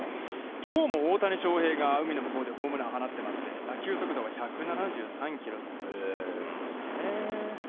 きょうも大谷翔平が海の向こうでホームランを放ってまして打球速度は１７３キロだったということですね。